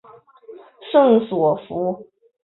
圣索弗。